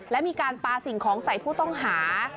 และมีการปลาสิ่งของใส่ผู้ต้องหา